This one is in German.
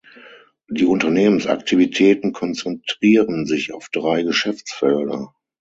Die Unternehmensaktivitäten konzentrieren sich auf drei Geschäftsfelder.